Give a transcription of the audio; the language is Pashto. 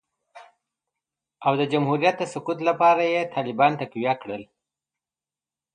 او د جمهوریت د سقوط لپاره یې طالبان تقویه کړل